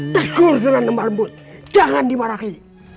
tegur dengan lemar but jangan dimarahi